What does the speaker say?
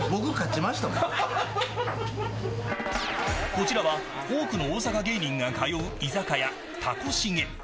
こちらは多くの大阪芸人が通う居酒屋たこしげ。